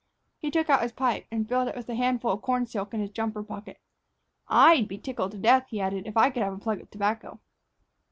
He took out his pipe and filled it from a handful of corn silk in his jumper pocket. "I'd be tickled to death," he added, "if I could have a plug of tobacco."